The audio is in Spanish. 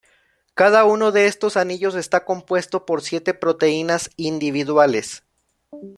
Cada uno de estos anillos está compuesto por siete proteínas individuales.